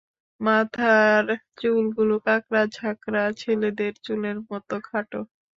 মাথার চুলগুলা কাঁকড়া ঝাকড়া, ছেলেদের চুলের মতো খাটো।